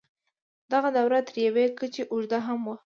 دغه دوره تر یوې کچې اوږده هم وه.